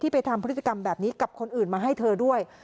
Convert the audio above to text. ไปทำพฤติกรรมแบบนี้กับคนอื่นมาให้เธอด้วย